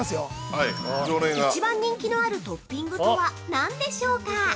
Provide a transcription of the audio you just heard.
一番人気のあるトッピングとはなんでしょうか？